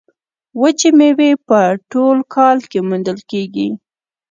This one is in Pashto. وچې میوې په ټول کال کې موندل کیږي.